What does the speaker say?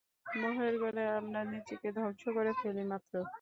মোহের ঘোরে আমরা নিজেকে ধ্বংস করে ফেলি মাত্র।